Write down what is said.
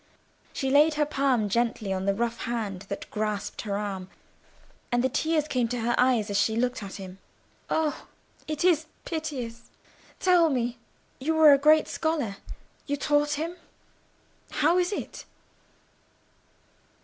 She laid her palm gently on the rough hand that grasped her arm, and the tears came to her eyes as she looked at him. "Oh, it is piteous! Tell me—you were a great scholar; you taught him. How is it?"